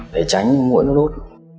để tránh mũi nó đốt